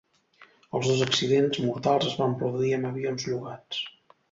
Els dos accidents mortals es van produir amb avions llogats.